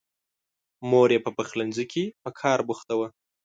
مور یې په پخلنځي کې په کار بوخته وه.